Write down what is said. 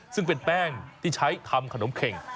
ซึ่งเป็นแป้งที่ใช้ทำขนมเข็ง